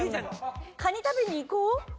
「カニ食べに行こう」？